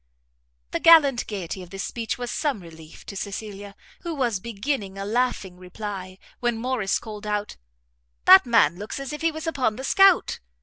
The gallant gaiety of this speech was some relief to Cecilia, who was beginning a laughing reply, when Morrice called out, "That man looks as if he was upon the scout."